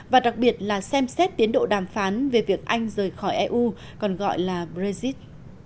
và đặc biệt là xem xét tiến độ đàm phán về việc anh rời khỏi eu còn gọi là brexit